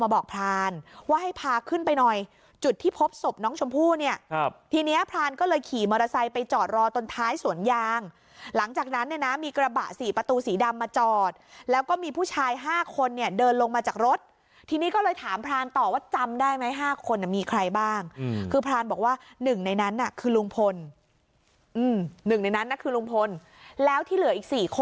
บอกพรานว่าให้พาขึ้นไปหน่อยจุดที่พบศพน้องชมพู่เนี่ยครับทีนี้พรานก็เลยขี่มอเตอร์ไซค์ไปจอดรอตรงท้ายสวนยางหลังจากนั้นเนี่ยนะมีกระบะสี่ประตูสีดำมาจอดแล้วก็มีผู้ชาย๕คนเนี่ยเดินลงมาจากรถทีนี้ก็เลยถามพรานต่อว่าจำได้ไหม๕คนมีใครบ้างคือพรานบอกว่าหนึ่งในนั้นน่ะคือลุงพลหนึ่งในนั้นน่ะคือลุงพลแล้วที่เหลืออีก๔ค